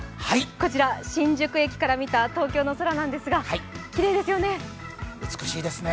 こちら、新宿駅から見た東京の空なんですが、きれいですね。